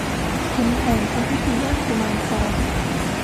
ขุนแผนทำพิธีย่างกุมารทอง